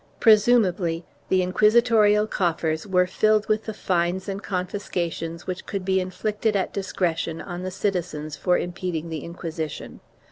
Presumably the inquisitorial coffers were filled with the fines and confisca tions which could be inflicted at discretion on the citizens for impeding the Inquisition.